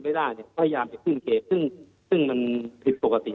ไม่ได้เนี่ยพยายามจะขึ้นเขตซึ่งซึ่งมันผิดปกติ